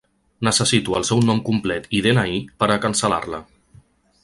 Necessito el seu nom complet i de-ena-i per cancel·lar-la.